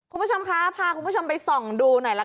คุณผู้ชมคะพาคุณผู้ชมไปส่องดูหน่อยละกัน